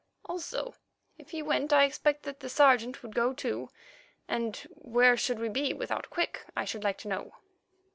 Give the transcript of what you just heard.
Also, if he went I expect that the Sergeant would go too, and where should we be without Quick, I should like to know?"